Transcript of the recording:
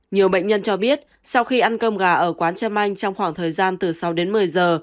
nhiều bệnh nhân cho biết sau khi ăn cơm gà ở quán trâm anh trong khoảng thời gian từ sáu đến một mươi giờ